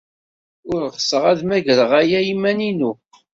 Ur ɣseɣ ad mmagreɣ aya i yiman-inu.